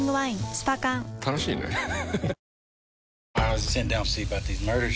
スパ缶楽しいねハハハ